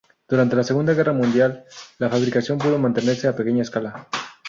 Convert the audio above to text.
Durante la Segunda Guerra Mundial, la fabricación pudo mantenerse a pequeña escala.